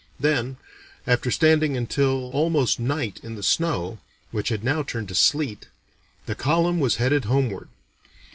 Then, after standing until almost night in the snow, which had now turned to sleet, the column was headed homeward.